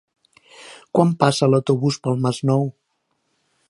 Quan passa l'autobús per el Masnou?